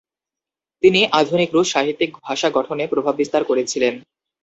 তিনি আধুনিক রুশ সাহিত্যিক ভাষা গঠনে প্রভাব বিস্তার করেছিলেন।